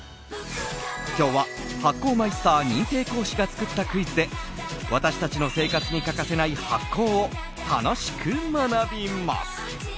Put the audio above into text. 今日は発酵マイスター・認定講師が作ったクイズで私の生活に欠かせない発酵を楽しく学びます。